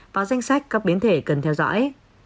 vào danh sách các biến thể cần theo dõi